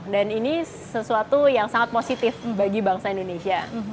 dan ini sesuatu yang sangat positif bagi bangsa indonesia